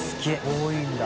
多いんだ。